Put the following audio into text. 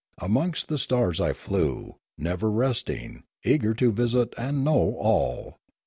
Amongst the stars I flew, never resting, eager to visit and know all.